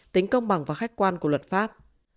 tính công bằng và khách quan của luật pháp